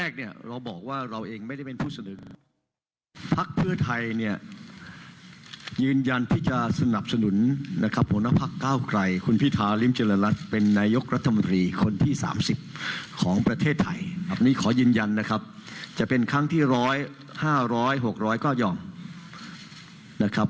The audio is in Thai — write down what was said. ขณะเดียวกันนะครับทางคุณหญิงสุนารัฐเกยุราพันธุ์หัวหน้าพักไทยสร้างไทยนะครับ